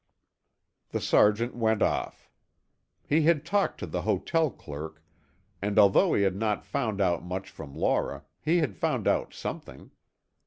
The sergeant went off. He had talked to the hotel clerk, and although he had not found out much from Laura, he had found out something.